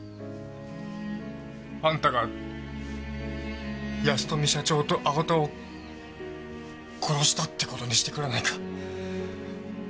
あんたが保富社長と青田を殺したって事にしてくれないか？